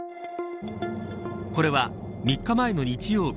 これは３日前の日曜日